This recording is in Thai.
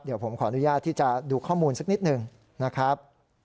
เดี๋ยวผมขออนุญาตที่จะดูข้อมูลสักนิดหนึ่งนะครับ